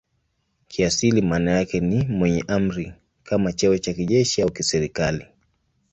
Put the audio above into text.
Kiasili maana yake ni "mwenye amri" kama cheo cha kijeshi au kiserikali.